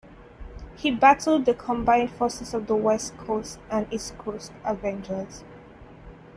He battled the combined forces of the West Coast and East Coast Avengers.